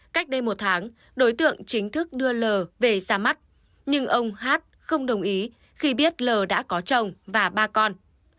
cách đây một tháng đối tượng chính thức đưa l về ra mắt nhưng ông hát không đồng ý khi biết lờ đã có chồng và ba con